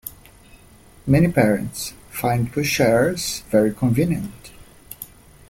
Many parents find pushchairs very convenient